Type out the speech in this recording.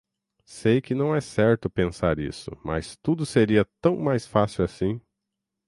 Sei que não é certo pensar isso, mas tudo seria tão mais facil assim.